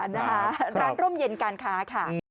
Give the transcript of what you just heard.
ร้านร่มเย็นการค้าค่ะ